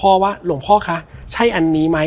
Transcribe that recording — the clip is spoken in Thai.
แล้วสักครั้งหนึ่งเขารู้สึกอึดอัดที่หน้าอก